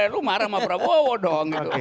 lu marah sama prabowo dong gitu